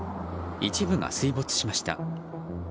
一部が水没しました。